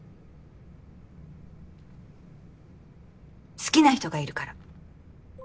好きな人がいるから。